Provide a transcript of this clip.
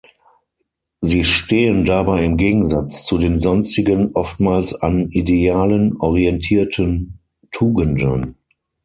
Sie stehen dabei im Gegensatz zu den sonstigen, oftmals an Idealen orientierten Tugenden.